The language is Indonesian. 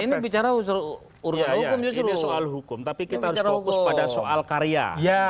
ini soal hukum tapi kita harus fokus pada soal karya